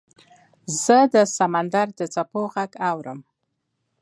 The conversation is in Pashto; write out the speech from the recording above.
زه د سمندر د څپو غږ اورم .